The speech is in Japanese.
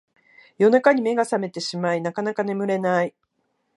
夜中に目が覚めてしまいなかなか眠れない